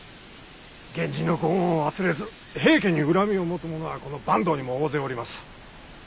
源氏のご恩を忘れず平家に恨みを持つ者はこの坂東にも大勢おります。